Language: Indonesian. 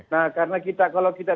nah karena kita kalau kita